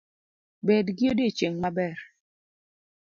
Bed gi odiochieng’ maber